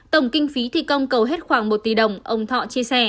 tổng kinh phí thi công cầu hết khoảng một tỷ đồng ông thọ chia sẻ